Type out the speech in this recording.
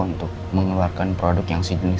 untuk mengeluarkan produk yang sejenis